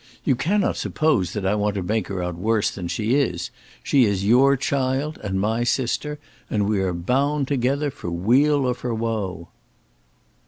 You cannot suppose that I want to make her out worse than she is. She is your child, and my sister; and we are bound together for weal or for woe."